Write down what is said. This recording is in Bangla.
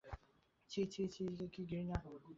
ছি ছি, কী ঘৃণা।